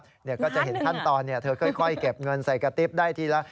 ๑ล้านหนึ่งเหรอคุณแม่ก็จะเห็นท่านตอนเธอค่อยเก็บเงินใส่กระติ๊บได้ทีละ